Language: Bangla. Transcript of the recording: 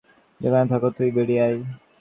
যেখানেই থাক তুই, বেড়িয়ে আয়।